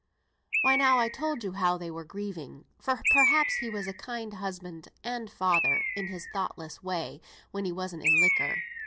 Why now I told you how they were grieving; for, perhaps, he was a kind husband and father, in his thoughtless way, when he wasn't in liquor.